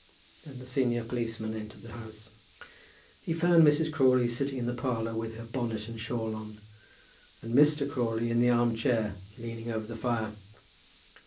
Then the senior policeman entered the house. He found Mrs. Crawley sitting in the parlour with her bonnet and shawl on, and Mr. Crawley in the arm chair, leaning over the fire.